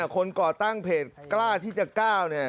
คนก่อตั้งเพจกล้าที่จะก้าว